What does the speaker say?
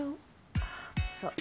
あぁそう。